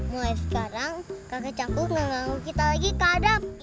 mulai sekarang kakek caku gak nganggur kita lagi kadang